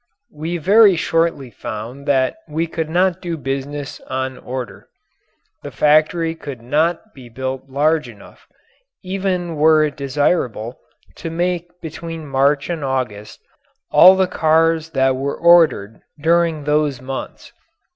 We very shortly found that we could not do business on order. The factory could not be built large enough even were it desirable to make between March and August all the cars that were ordered during those months.